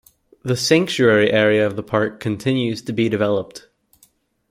The sanctuary area of the park continues to be developed.